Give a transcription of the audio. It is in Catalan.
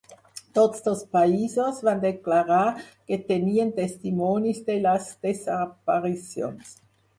Tots dos països van declarar que tenien testimonis de les desaparicions.